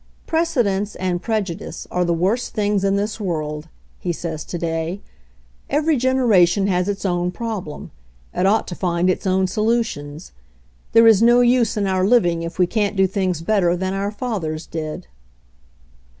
"Precedents and prejudice are the worst things in this world," he says to day. "Every genera tion has its own problem ; it ought to find its own \ solutions. There is no use in our living if we J can't do things better than our fathers did."